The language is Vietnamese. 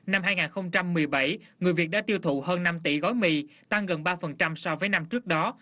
năm hai nghìn một mươi bảy người việt đã tiêu thụ hơn năm tỷ gói mì tăng gần ba so với năm trước đó